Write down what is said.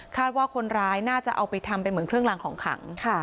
ว่าคนร้ายน่าจะเอาไปทำเป็นเหมือนเครื่องรางของขัง